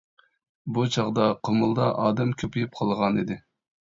بۇ چاغدا قۇمۇلدا ئادەم كۆپىيىپ قالغانىدى.